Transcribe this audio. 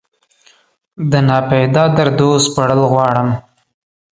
دناپیدا دردو سپړل غواړم